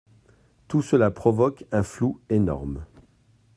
Tout cela provoque un flou énorme.